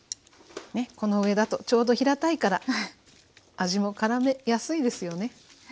この上だとちょうど平たいから味もからめやすいですよね。